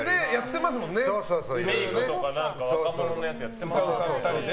メイクとか若者のやつやってますよね。